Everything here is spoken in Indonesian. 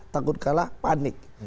takut kalah panik